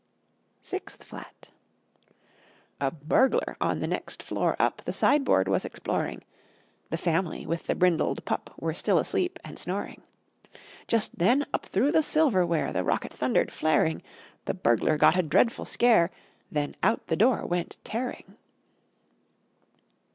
[Illustration: FIFTH FLAT] SIXTH FLAT A Burglar on the next floor up The sideboard was exploring. (The family, with the brindled pup, Were still asleep and snoring.) Just then, up through the silverware The rocket thundered, flaring! The Burglar got a dreadful scare; Then out the door went tearing.